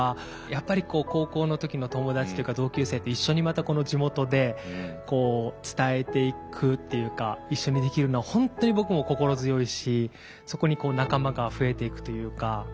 やっぱり高校の時の友達っていうか同級生と一緒にまたこの地元で伝えていくっていうか一緒にできるのは本当に僕も心強いしそこに仲間が増えていくというか。